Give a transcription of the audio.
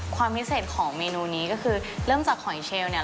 ความพิเศษของเมนูนี้ก็คือเริ่มจากหอยเชลเนี่ย